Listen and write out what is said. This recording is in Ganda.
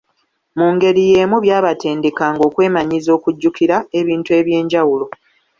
Mu ngeri y'emu byabatendekanga okwemanyiiza okujjukira ebintu eby'enjawulo.